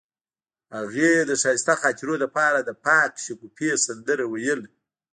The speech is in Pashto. هغې د ښایسته خاطرو لپاره د پاک شګوفه سندره ویله.